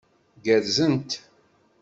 Gerrzent.